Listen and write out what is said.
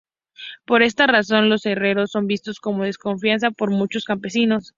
Por esta razón los herreros son vistos con desconfianza por muchos campesinos.